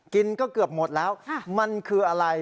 กินก็เกือบหมดแล้วมันคืออะไร